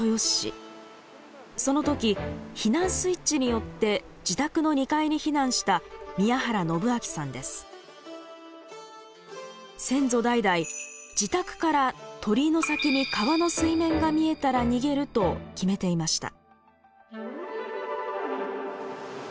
その時避難スイッチによって自宅の２階に避難した先祖代々自宅から「鳥居の先に川の水面が見えたら逃げる」と決めていました。